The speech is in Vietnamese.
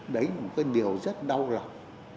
đấy là một điều rất đau lòng